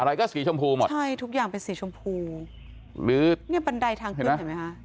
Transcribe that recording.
อะไรก็สีชมพูหมดใช่ทุกอย่างเป็นสีชมพูหรือเนี่ยบันไดทางขึ้นเห็นไหมคะ